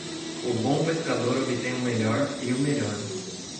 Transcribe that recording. O bom pescador obtém o melhor e o melhor.